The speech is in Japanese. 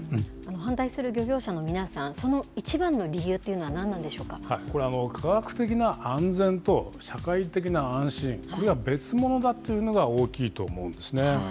反対する漁業者の皆さん、その一番の理由っていうのは何なんこれは科学的な安定と社会的な安心、これは別物だというのが大きいと思うんですね。